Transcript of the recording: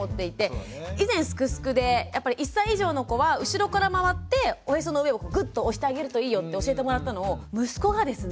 以前「すくすく」でやっぱり１歳以上の子は後ろから回っておへその上をグッと押してあげるといいよって教えてもらったのを息子がですね